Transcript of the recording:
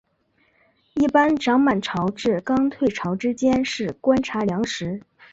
一般涨满潮至刚退潮之间是观察良时。